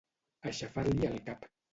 Aixafar-li el cap.